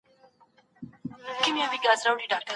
محیط مو بدل کړئ.